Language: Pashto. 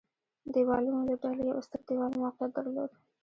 دېوالونو له ډلې یو ستر دېوال موقعیت درلود.